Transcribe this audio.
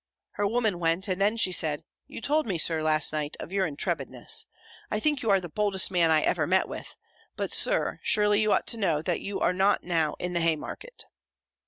Her woman went; and then she said, "You told me, Sir, last night, of your intrepidness: I think you are the boldest man I ever met with: but, Sir, surely you ought to know, that you are not now in the Haymarket."